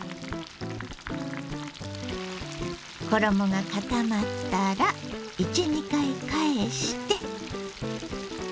衣が固まったら１２回返して。